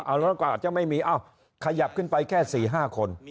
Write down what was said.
เอาแล้วก็อาจจะไม่มีเอ้าขยับขึ้นไปแค่๔๕คน